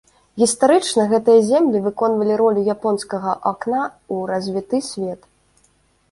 Гістарычна гэтыя землі выконвалі ролю японскага акна ў развіты свет.